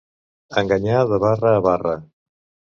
Enganyar de barra a barra.